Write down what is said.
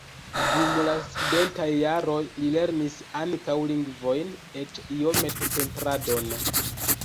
Dum la studentaj jaroj li lernis ankaŭ lingvojn, eĉ iomete pentradon.